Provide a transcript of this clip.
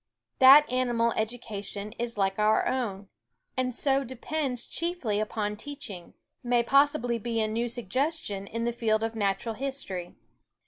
That animal education is like our own, and so depends chiefly upon teaching, may possibly be a new ^suggestion in the field of natural history.